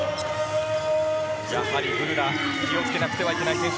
やはりグルダ気を付けなくてはいけない選手。